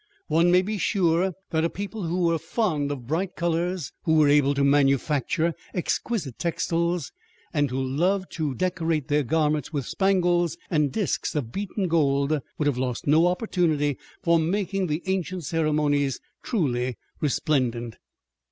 One may be sure that a people who were fond of bright colors, who were able to manufacture exquisite textiles, and who loved to decorate their garments with spangles and disks of beaten gold, would have lost no opportunity for making the ancient ceremonies truly resplendent.